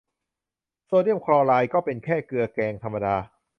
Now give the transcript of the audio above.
โซเดียมคลอไรด์ก็เป็นแค่เกลือแกงธรรมดา